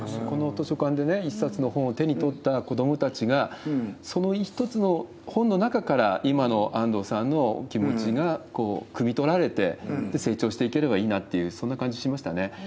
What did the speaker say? この図書館でね、一冊の本を手に取った子どもたちが、その一つの本の中から、今の安藤さんのお気持ちがくみ取られて、成長していければいいなって、そんな感じしましたね。